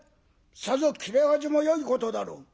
さぞ切れ味もよいことだろう。